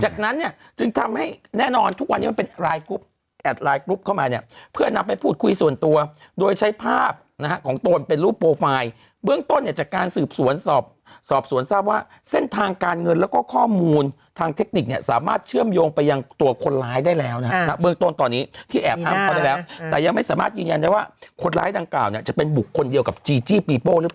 โดยใช้ภาพนะครับของตัวเป็นรูปโปรไฟล์เบื้องต้นเนี่ยจากการสืบสวนสอบสอบสวนทราบว่าเส้นทางการเงินแล้วก็ข้อมูลทางเทคนิคเนี่ยสามารถเชื่อมโยงไปยังตัวคนร้ายได้แล้วนะฮะเบื้องต้นตอนนี้ที่แอบทำเขาได้แล้วแต่ยังไม่สามารถยืนยันได้ว่าคนร้ายดังกล่าวเนี่ยจะเป็นบุคคลเดียวกับจีจี้ปีโป้